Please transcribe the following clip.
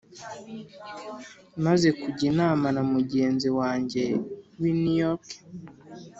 maze kujya inama na mugenzi wanjye w'i new york,